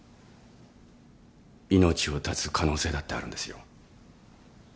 命を絶つ可能性だってあるんですよ。